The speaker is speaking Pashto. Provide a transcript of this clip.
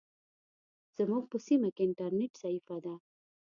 زموږ په سیمه کې انټرنیټ ضعیفه ده.